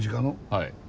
はい。